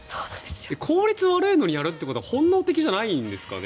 効率が悪いのにやるっていうのは本能的じゃないんですかね。